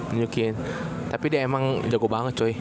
nunjukin tapi dia emang jago banget cuy